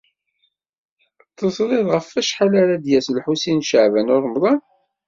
Teẓrid ɣef wacḥal ara d-yas Lḥusin n Caɛban u Ṛemḍan?